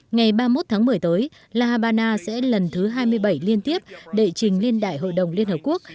ngày ba mươi một tháng một mươi tới la habana sẽ lần thứ hai mươi bảy liên tiếp đệ trình lên đại hội đồng liên hợp quốc